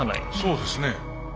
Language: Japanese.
そうですね。